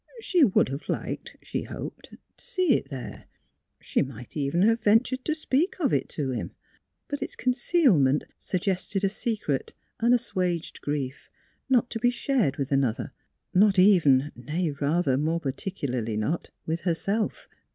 She would have liked (she hoped) to see it there. She might even have ventured to speak of it to him. But its concealment suggested a secret, unassuaged grief, not to be shared with another, not even — nay, rather, more particularly not — with herself.